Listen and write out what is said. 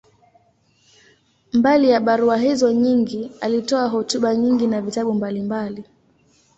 Mbali ya barua hizo nyingi, alitoa hotuba nyingi na vitabu mbalimbali.